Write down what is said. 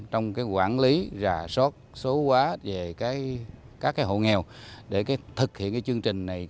trong quản lý rà sót số quá về các hộ nghèo để thực hiện chương trình này